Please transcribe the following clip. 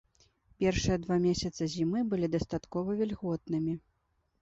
Першыя два месяцы зімы былі дастаткова вільготнымі.